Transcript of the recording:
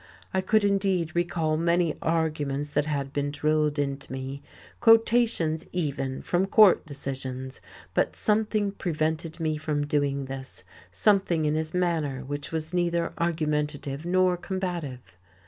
I could indeed recall many arguments that had been drilled into me; quotations, even, from court decisions. But something prevented me from doing this, something in his manner, which was neither argumentative nor combative.